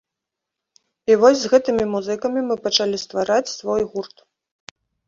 І вось з гэтымі музыкамі мы пачалі ствараць свой гурт.